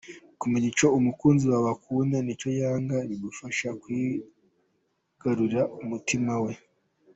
Kumenya icyo umukunzi wawe akunda n’icyo yanga bigufasha kwigarurira umutima we